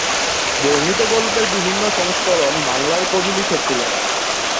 বর্ণিত গল্পের বিভিন্ন সংস্করণ বাংলার কবি লিখেছিলেন।